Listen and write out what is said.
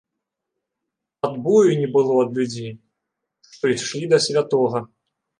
Адбою не было ад людзей, што ішлі да святога.